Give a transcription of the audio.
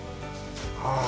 ああ。